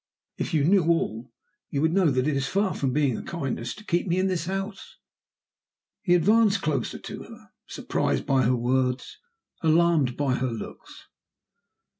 If you knew all, you would know that it is far from being a kindness to me to keep me in this house." He advanced closer to her surprised by her words, alarmed by her looks.